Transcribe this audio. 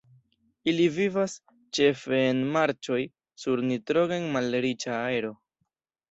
Ili vivas ĉefe en marĉoj, sur nitrogen-malriĉa aero.